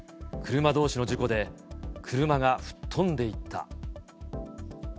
車どうしの事故で、車が吹っ飛んでいった。